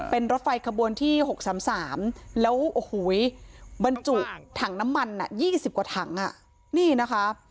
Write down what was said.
เป็นรถไฟขบวนที่๖๓๓แล้วโอ้โหบรรจุถังน้ำมัน๒๐กว่าถังนี่นะคะ